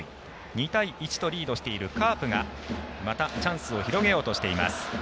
２対１とリードしているカープが、またチャンスを広げようとしています。